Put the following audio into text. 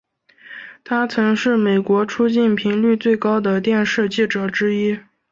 他曾是美国出境频率最高的电视记者之一。